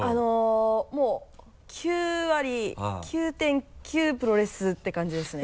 もう９割９．９プロレスって感じですね。